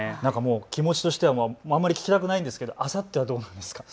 気持ちとしてはあまり聞きたくないですけどあさってはどうなんですか。